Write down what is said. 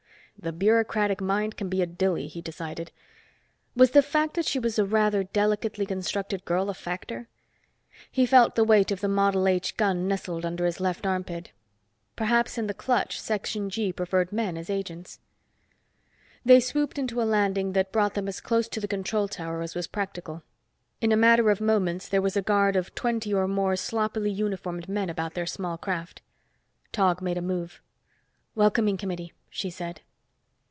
The bureaucratic mind can be a dilly, he decided. Was the fact that she was a rather delicately constructed girl a factor? He felt the weight of the Model H gun nestled under his left armpit. Perhaps in the clutch Section G preferred men as agents. They swooped into a landing that brought them as close to the control tower as was practical. In a matter of moments there was a guard of twenty or more sloppily uniformed men about their small craft. Tog made a move. "Welcoming committee," she said.